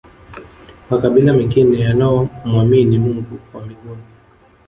makabila mengine yanayomwamini mungu wa mbinguni